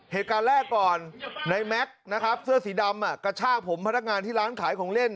เหตุการณ์แรกก่อนในแม็กซ์นะครับเสื้อสีดำกระชากผมพนักงานที่ร้านขายของเล่น